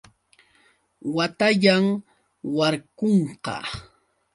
Watayan. warkunqa.